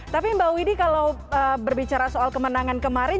tapi mbak widi kalau berbicara soal kemenangan kemarin